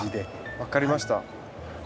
分かりました。